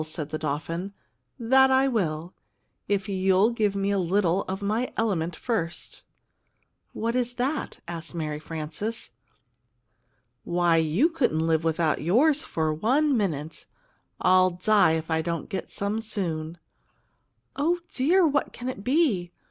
said the dolphin. "That I will, if you'll get me a little of my element first." "What is that?" asked Mary Frances. "Why, you couldn't live without yours for one minute! I'll die if I don't get some soon!" "Oh, dear, what can it be?